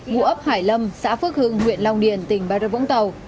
vụ ấp hải lâm xã phước hưng huyện long điền tỉnh ba rất vũng tàu